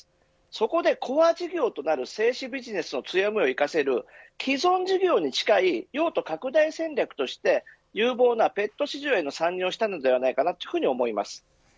そこでコア事業となる製紙ビジネスの強みを生かせる既存事業に近い用途拡大戦略として有望なペット市場への参入をしたのではないかなと思います。